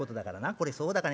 これそうだかね。